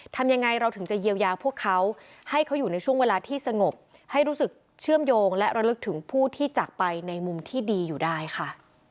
ทำยังไงเราถึงจะเยียวยาพวกเขาให้เขาอยู่ในช่วงเวลาที่สงบให้รู้สึกเชื่อมโยงและระลึกถึงผู้ที่จากไปในมุมที่ดีอยู่ได้ค่ะ